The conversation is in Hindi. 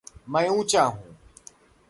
मैं ऊँचा हूँ।